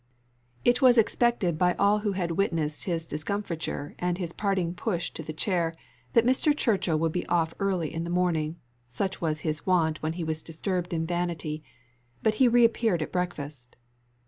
It was expected by all who had witnessed his discomfiture and his parting push to the chair, that Mr. Churchill would be off early in the morning such was his wont when he was disturbed in vanity: but he reappeared at breakfast.